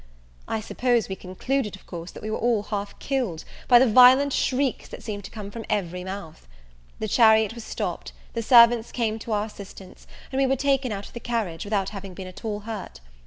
I suppose we concluded, of course, that we were all half killed, by the violent shrieks that seemed to come from every mouth. The chariot was stopped, the servants came to our assistance, and we were taken out of the carriage, without having been at all hurt.